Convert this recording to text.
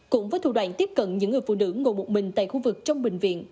cũng với thủ đoạn tiếp cận những người phụ nữ ngồi một mình tại khu vực trong bệnh viện